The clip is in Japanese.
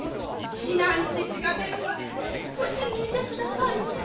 ひなんしじがでるまでうちにいてくださいね。